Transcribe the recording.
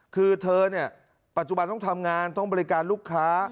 คือเธอเนี่ยปัจจุบันต้องทำงานต้องบริการลูกค้า